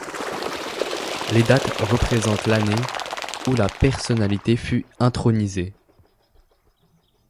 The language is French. Les dates représentent l'année où la personnalité fut intronisée.